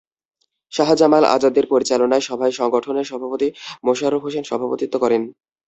শাহ জামাল আজাদের পরিচালনায় সভায় সংগঠনের সভাপতি মোশারফ হোসেন সভাপতিত্ব করেন।